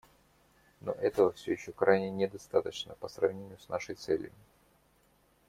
Но этого все еще крайне недостаточно по сравнению с нашей целью.